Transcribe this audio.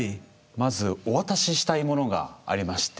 まずお渡ししたいものがありまして。